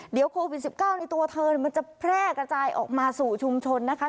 เดี๋ยวโควิด๑๙ในตัวเธอมันจะแพร่กระจายออกมาสู่ชุมชนนะคะ